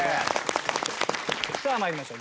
さあ参りましょう。